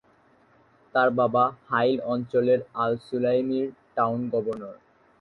তার বাবা হাইল অঞ্চলের আল-সুলাইমির টাউন গভর্নর।